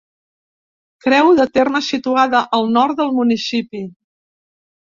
Creu de terme situada al nord del municipi.